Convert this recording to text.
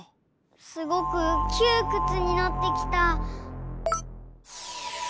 すごくきゅうくつになってきた。